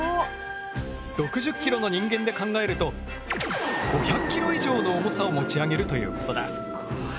６０ｋｇの人間で考えると５００ｋｇ以上の重さを持ち上げるということだ。